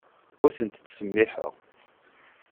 Ur tent-ttsemmiḥeɣ.